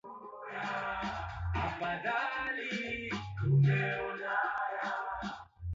Bwana mkubwa, tumefanya kazi hata tusipate kitu.